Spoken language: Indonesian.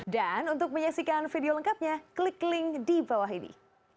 dan untuk menyaksikan video lengkapnya klik link di bawah ini